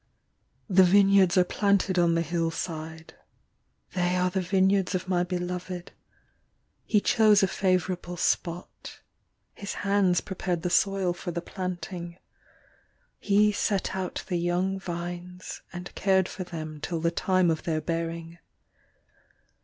The vineyards are planted on the hillside, They are the vineyards of my beloved, He chose a favorable spot, His hands prepared the soil for the planting: He set out the young vines And cared for them till the time of their bearing.